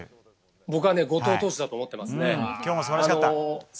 僕は後藤投手だと思ってます。